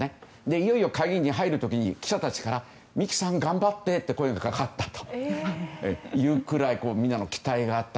いよいよ会議に入るときに記者たちから三木さん頑張ってと声がかかったというくらいみんなの期待があった。